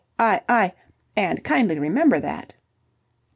I... and kindly remember that!"